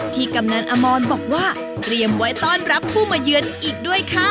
กำนันอมรบอกว่าเตรียมไว้ต้อนรับผู้มาเยือนอีกด้วยค่ะ